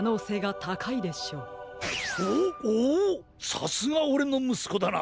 さすがオレのむすこだな！